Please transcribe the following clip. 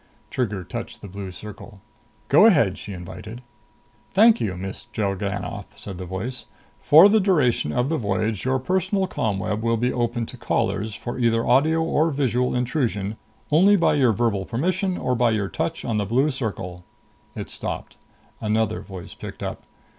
Trigger touched the blue circle. "Go ahead," she invited. "Thank you, Miss Drellgannoth," said the voice. "For the duration of the voyage your personal ComWeb will be opened to callers, for either audio or visual intrusion, only by your verbal permission or by your touch on the blue circle." It stopped. Another voice picked up.